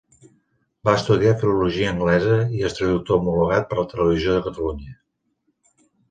Va estudiar Filologia Anglesa, i és traductor homologat per Televisió de Catalunya.